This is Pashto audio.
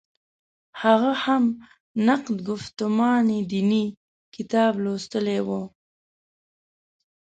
هغه هم «نقد ګفتمان دیني» کتاب لوستلی و.